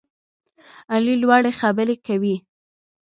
علي لوړې خبرې کوي.